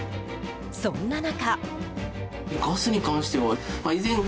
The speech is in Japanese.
そんな中。